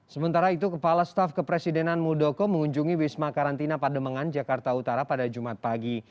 sementara itu kepala staf kepresidenan muldoko mengunjungi wisma karantina pademangan jakarta utara pada jumat pagi